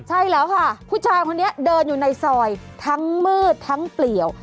ใช่แล้วค่ะผู้ชายคนนี้เดินอยู่ในซอยทั้งมืดทั้งเปลี่ยว